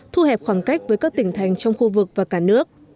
thu hẹp khoảng cách với các tỉnh thành trong khu vực và cả nước